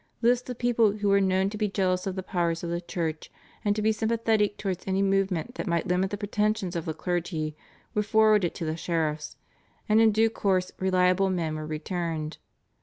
Lists of persons who were known to be jealous of the powers of the Church and to be sympathetic towards any movement that might limit the pretensions of the clergy were forwarded to the sheriffs, and in due course reliable men were returned.